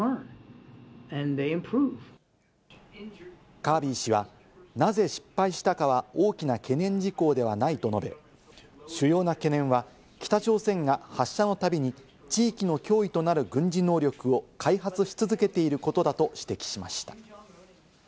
カービー氏はなぜ失敗したかは大きな懸念事項ではないと述べ、主要な懸念は、北朝鮮が発射のたびに地域の脅威となる軍事能力を開発し続けていることだと指摘しました。